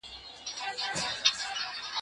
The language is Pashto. زه اوس کتابونه لولم!!